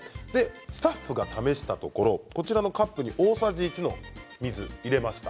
スタッフが試したところこのカップに大さじ１の水を入れました。